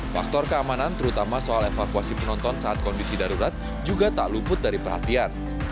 faktor keamanan terutama soal evakuasi penonton saat kondisi darurat juga tak luput dari perhatian